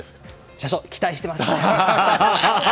社長、期待しています！